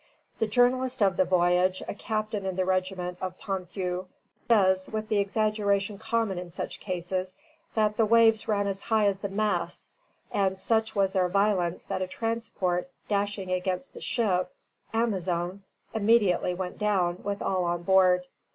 The journalist of the voyage, a captain in the regiment of Ponthieu, says, with the exaggeration common in such cases, that the waves ran as high as the masts; and such was their violence that a transport, dashing against the ship "Amazone," immediately went down, with all on board.